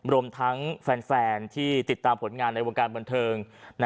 รวมทั้งแฟนที่ติดตามผลงานในวงการบันเทิง